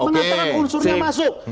mengatakan unsurnya masuk